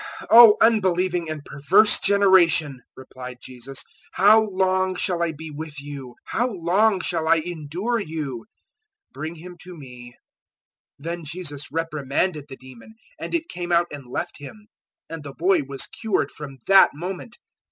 017:017 "O unbelieving and perverse generation!" replied Jesus; "how long shall I be with you? how long shall I endure you? Bring him to me." 017:018 Then Jesus reprimanded the demon, and it came out and left him; and the boy was cured from that moment.